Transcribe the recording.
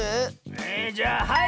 えじゃあはい！